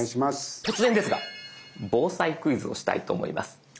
突然ですが防災クイズをしたいと思います。